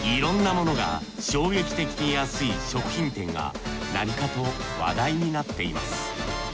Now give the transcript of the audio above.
いろんなものが衝撃的に安い食品店がなにかと話題になっています。